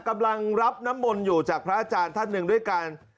กำลังรับน้ำมนต์อยู่จากพระอาจารย์ท่านหนึ่งด้วยกัน